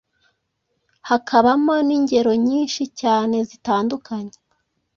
hakabamo n'ingero nyinshi cyane zitandukanye.